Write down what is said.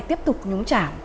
tiếp tục nhúng chạm